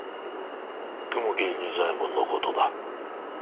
雲霧仁左衛門のことだ。